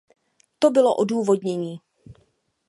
To bylo odůvodnění.